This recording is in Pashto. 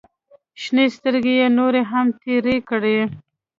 شنې سترګې يې نورې هم تېرې کړې.